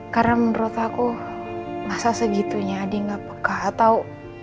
karena menurut aku masa segitunya adi gak peka atau